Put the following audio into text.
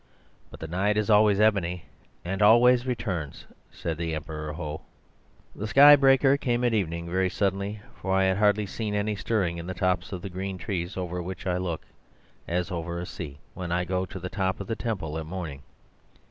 But the night is always ebony and always returns, said the Emperor Ho. "The sky breaker came at evening very suddenly, for I had hardly seen any stirring in the tops of the green trees over which I look as over a sea, when I go to the top of the temple at morning.